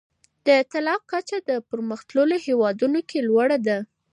د طلاق کچه د پرمختللو هیوادونو کي لوړه ده.